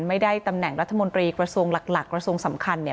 ไม่ได้ตำแหน่งรัฐมนตรีกระทรวงหลักกระทรวงสำคัญเนี่ย